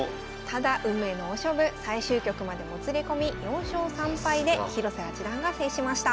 ただ運命の大勝負最終局までもつれ込み４勝３敗で広瀬八段が制しました。